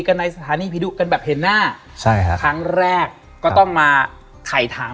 กันในสถานีผีดุกันแบบเห็นหน้าใช่ครับครั้งแรกก็ต้องมาถ่ายถาม